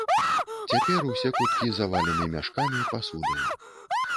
Цяпер усе куткі завалены мяшкамі, пасудаю.